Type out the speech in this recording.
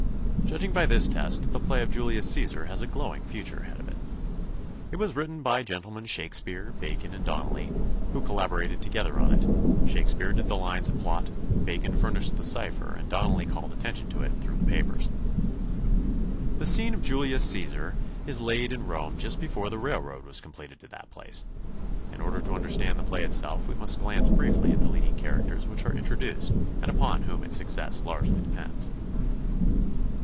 Judging by this test the play of "Julius Cæsar" has a glowing future ahead of it. It was written by Gentlemen Shakespeare, Bacon and Donnelly, who collaborated together on it. Shakespeare did the lines and plot, Bacon furnished the cipher and Donnelly called attention to it through the papers. The scene of "Julius Cæsar" is laid in Rome just before the railroad was completed to that place. In order to understand the play itself we must glance briefly at the leading characters which are introduced and upon whom its success largely depends.